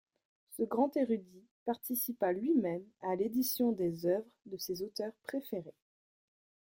Ce grand érudit participa lui-même à l’édition des œuvres de ses auteurs préférés.